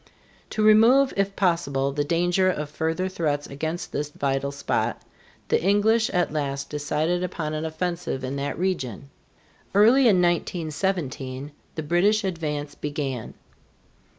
To remove, if possible, the danger of further threats against this vital spot, the English at last decided upon an offensive in that region. Early in 1917, the British advance began.